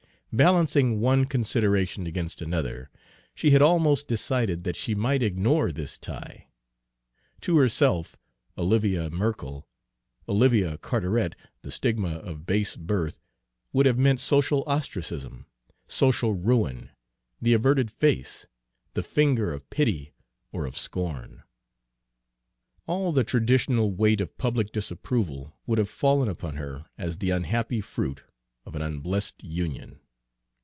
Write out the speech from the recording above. Balancing one consideration against another, she had almost decided that she might ignore this tie. To herself, Olivia Merkell, Olivia Carteret, the stigma of base birth would have meant social ostracism, social ruin, the averted face, the finger of pity or of scorn. All the traditional weight of public disapproval would have fallen upon her as the unhappy fruit of an unblessed union.